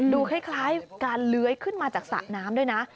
ดูคล้ายการเลื้อยขึ้นมาจากสระน้ำด้วยนะ